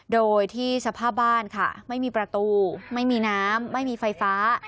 โดยที่สภาพบ้านค่ะไม่มีประตูไม่มีน้ำไม่มีไฟฟ้า